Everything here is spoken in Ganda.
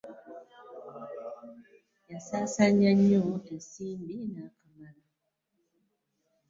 Yasasaanya nnyo ensimbi nakamala!